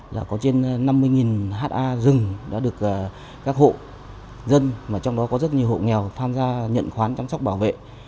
là có trên năm mươi ha rừng đã được các hộ dân mà trong đó có rất nhiều hộ nghèo tham gia nhận khoán chăm sóc bảo vệ